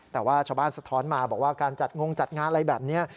แต่ว่าชาวบ้านสะท้อนมาบอกว่าการจัดงงจัดงานอะไรแบบนี้